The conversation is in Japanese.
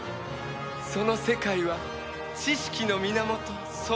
その世界は知識の源そのもの。